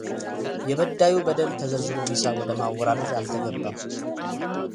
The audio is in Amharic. የበዳዩ በደል ተዘርዝሮ ሂሳብ ወደ ማወራረድ አልተገባም።